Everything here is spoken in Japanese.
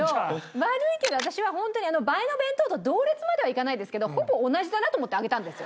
悪いけど私は映えの弁当と同列まではいかないですけどほぼ同じだなと思ってあげたんですよ。